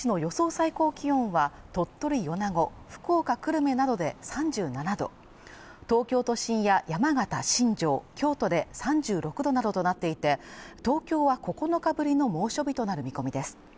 最高気温は鳥取・米子福岡・久留米などで３７度東京都心や山形・新庄、京都で３６度などとなっていて東京は９日ぶりの猛暑日となる見込みです